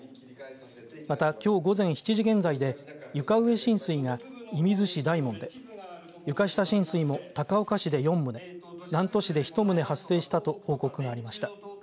また、きょう午前７時現在で床上浸水が射水市大門で床下浸水も高岡市で４棟南砺市で１棟発生したと報告がありました。